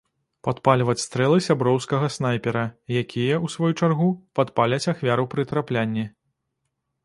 Падпальваць стрэлы сяброўскага снайпера, якія, у сваю чаргу, падпаляць ахвяру пры траплянні.